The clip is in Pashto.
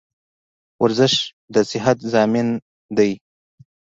ورزش دصحت ضامن دي.